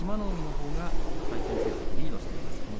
海のほうが対戦成績リードしています。